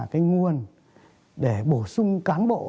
cái nguồn để bổ sung cán bộ